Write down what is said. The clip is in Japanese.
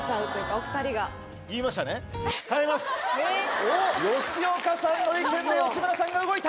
おっ吉岡さんの意見で吉村さんが動いた。